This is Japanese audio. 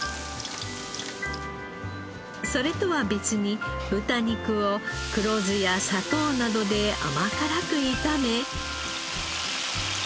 それとは別に豚肉を黒酢や砂糖などで甘辛く炒め。